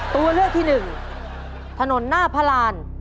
ตัวเลือกที่หนึ่งถนนหน้าพระราน